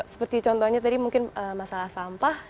seperti contohnya tadi mungkin masalah sampah